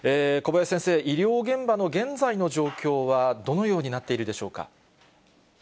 小林先生、医療現場の現在の状況はどのようになっているでしょうか。